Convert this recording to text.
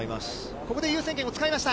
ここで優先権を使いました。